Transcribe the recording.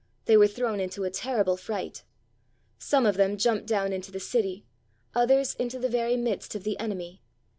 They were thrown into a terrible fright. Some of them jumped down into the city, others into the very midst of the enemy.